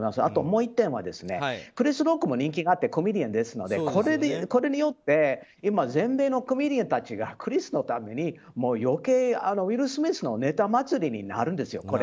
あともう１点はクリス・ロックも人気があってコメディアンですのでこれによって今今、全米のコメディアンたちがクリスのために余計ウィル・スミスのネタ祭りになるんですよ。